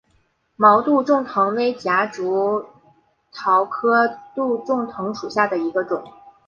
毛杜仲藤为夹竹桃科杜仲藤属下的一个种。